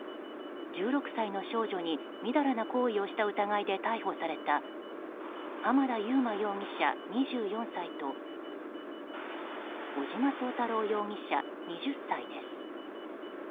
１６歳の少女にみだらな行為をした疑いで逮捕された浜田祐摩容疑者、２４歳と尾島壮太郎容疑者、２０歳です。